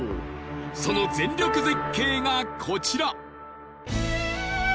その全力絶景がコチラ！